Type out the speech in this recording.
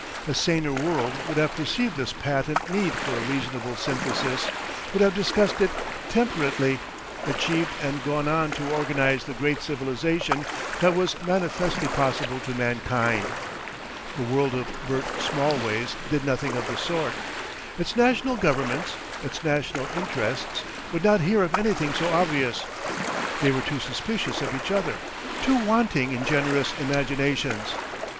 A saner world would have perceived this patent need for a reasonable synthesis, would have discussed it temperately, achieved and gone on to organise the great civilisation that was manifestly possible to mankind. The world of Bert Smallways did nothing of the sort. Its national governments, its national interests, would not hear of anything so obvious; they were too suspicious of each other, too wanting in generous imaginations.